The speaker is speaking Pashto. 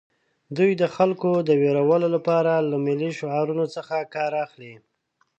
دوی د خلکو د ویرولو لپاره له ملي شعارونو څخه کار اخلي